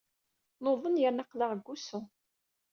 Nuḍen yerna aql-aɣ deg wusu.